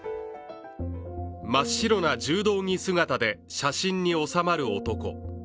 真っ白な柔道着姿で写真に収まる男。